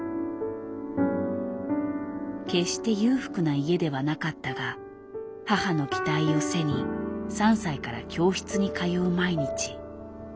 決して裕福な家ではなかったが母の期待を背に３歳から教室に通う毎日。